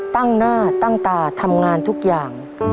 ตั้งหน้าตั้งตาทำงานทุกอย่าง